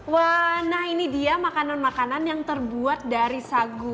wah nah ini dia makanan makanan yang terbuat dari sagu